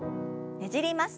ねじります。